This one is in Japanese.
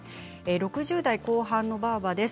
６０代後半のばあばです。